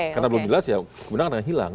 karena belum jelas ya kemudian kan hilang